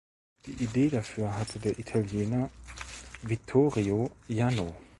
Die Idee dafür hatte der Italiener Vittorio Jano.